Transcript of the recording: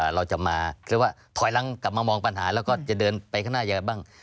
เราจะมาเรียกว่าถอยหลังกลับมามองปัญหาแล้วก็จะเดินไปข้างหน้ายังไงบ้าง